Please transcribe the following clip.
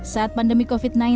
saat pandemi covid sembilan belas